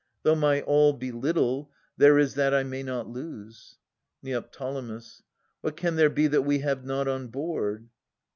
Though my all Be little, there is that I may not lose. Neo. What can there be that we have not on board